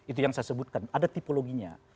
itu yang saya sebutkan ada tipologinya